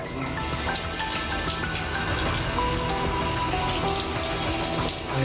อร่อย